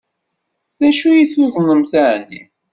D acu i tuḍnemt ɛni?